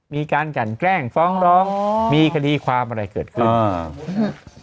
มีการกันแกล้งฟ้องร้องมีคดีความอะไรเกิดขึ้นอ่า